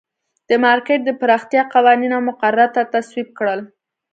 د مارکېټ د پراختیا قوانین او مقررات تصویب کړل.